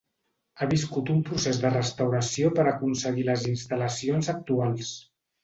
Ha viscut un procés de restauració per aconseguir les instal·lacions actuals.